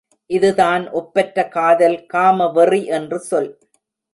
இதுதான் ஒப்பற்ற காதல், காமவெறி என்று சொல்.